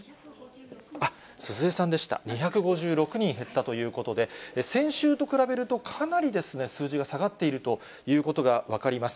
鈴江さんでした、２５６人減ったということで、先週と比べるとかなり数字が下がっているということが分かります。